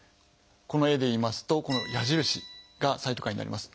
この絵でいいますとこの矢印がサイトカインになります。